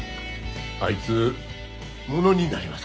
あいつものになりますか？